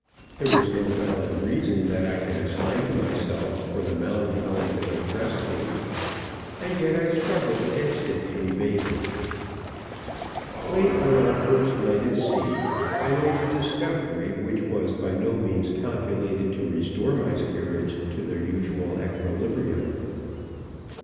There was no valid reason that I could assign to myself for the melancholy that oppressed me, and yet I struggled against it in vain. Late on our first night at sea, I made a discovery which was by no means calculated to restore my spirits to their usual equilibrium.